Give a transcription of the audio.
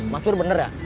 mas pur bener gak